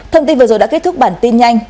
thông tin vừa rồi đã kết thúc bản tin nhanh